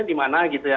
di mana gitu ya